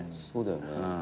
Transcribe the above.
そうだよね。